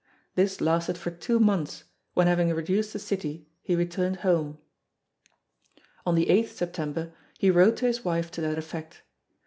This lasted for two months when having reduced the city he returned home. On the 8 September he wrote to his wife to that effect.